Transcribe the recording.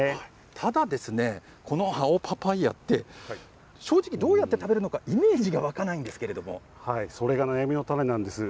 ただですね、この青パパイアって、正直、どうやって食べるのか、イメージが湧かないんですけそれが悩みの種なんです。